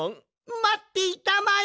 まっていたまえ